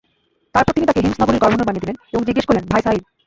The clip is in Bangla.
তারপর তিনি তাকে হিমস নগরীর গভর্নর বানিয়ে দিলেন এবং জিজ্ঞেস করলেন, ভাই সাঈদ!